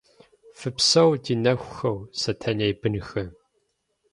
Фыпсэу, ди нэхухэу, сэтэней бынхэ.